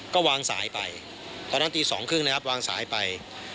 ก็วางสายไปตอนนั้นตี๒๓๐นะครับวางสายไป